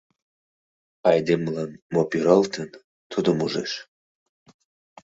Айдемылан мо пӱралтын — тудым ужеш.